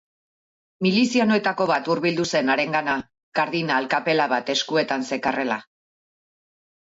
Milizianoetako bat hurbildu zen harengana, kardinal kapela bat eskuetan zekarrela.